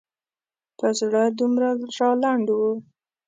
په زړه دومره رالنډ و.